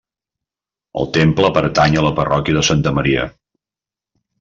El temple pertany a la parròquia de Santa Maria.